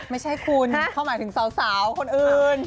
ไม่ใช่คุณเขาหมายถึงสาวคนอื่น